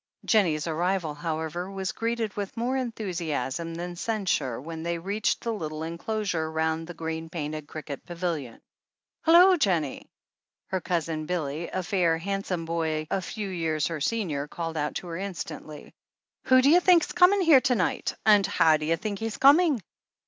Jennie's arrival, however, was greeted with more enthusiasm than censure, when they reached the little enclosure roimd the green painted cricket pavilion. "Hullo, Jennie!" Her Cousin Billy, a fair, handsome boy a few years her senior, called out to her instantly : "Who do you think's coming here to night? — and how do you think he's coming?"